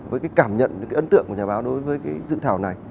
với cảm nhận ấn tượng của nhà báo đối với dự thảo này